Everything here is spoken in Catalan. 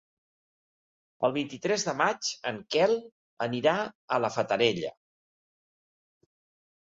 El vint-i-tres de maig en Quel anirà a la Fatarella.